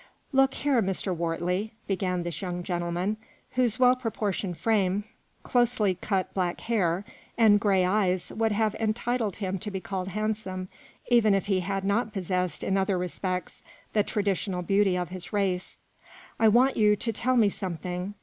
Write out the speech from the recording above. " Look here, Mr. Wortley," began this young gentleman, whose well proportioned frame, MADAME DE CHANTELOUP. closely cut black hair and grey eyes would have entitled him to be called handsome even if he had not possessed in other respects the tradi tional beauty of his race, " I want you to tell me something.